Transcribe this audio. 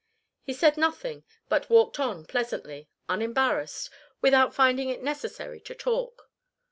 He said nothing but walked on pleasantly, unembarrassed, without finding it necessary to talk.